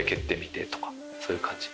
そういう感じ。